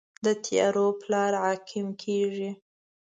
د تیارو پلار عقیم کیږي